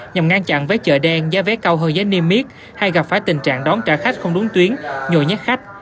nhằm ngăn chặn vé chợ đen giá vé cao hơn giá niêm miết hay gặp phải tình trạng đón trả khách không đúng tuyến nhồi nhét khách